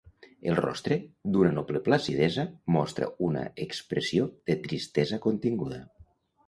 El rostre, d'una noble placidesa, mostra una expressió de tristesa continguda.